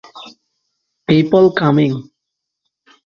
People coming.